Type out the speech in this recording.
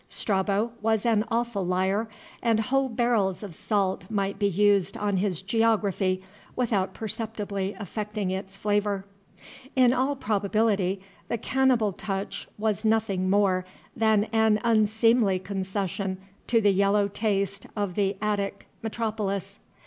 Strabo was an awful liar, and whole barrels of salt might be used on his "Geography" without perceptibly affecting its flavor. In all probability the cannibal touch was nothing more than an unseemly concession to the yellow taste of the Attic metropolis.